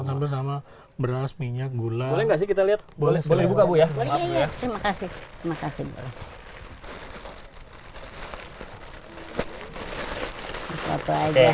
sama sama beras minyak gula enggak sih kita lihat boleh boleh buka ya makasih makasih